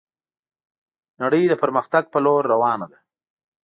نړي د پرمختګ په لور روانه ده